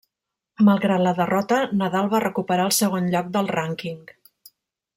Malgrat la derrota, Nadal va recuperar el segon lloc del rànquing.